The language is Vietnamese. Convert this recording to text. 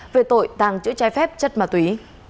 về tội tàng chữa chai phép chất mà tùy